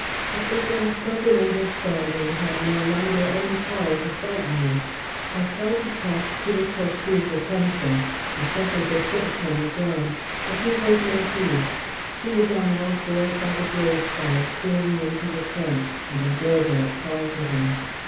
But this unspoken understanding had no longer any power to frighten me. I tried to catch Peter Tortue's attention; I shuffled a foot upon the ground; but he paid no heed. He was on all fours by the grave side peering into the trench, and I dared not call to him.